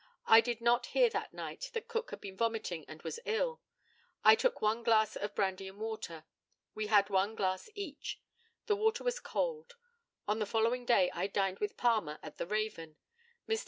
I did not hear that night that Cook had been vomiting and was ill. I took one glass of brandy and water. We had one glass each. The water was cold. On the following day I dined with Palmer at the Raven. Mr.